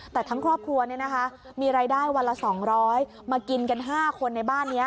แต่ทั้งครอบครัวมีรายได้วันละ๒๐๐มากินกัน๕คนในบ้านนี้